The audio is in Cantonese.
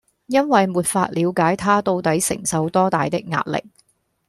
因為沒法了解他到底承受多大的壓力